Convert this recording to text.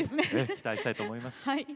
期待したいと思います。